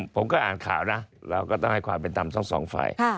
ผมก็อ่านข่าวนะเราก็ต้องให้ความเป็นตำ๒ฝ่าย